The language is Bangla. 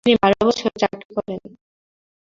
তিনি বারো বছর চাকরি করেন।